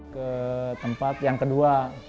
ketempat yang kedua